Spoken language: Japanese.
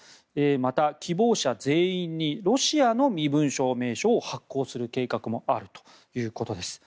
また希望者全員にロシアの身分証明書を発行する計画もあるということです。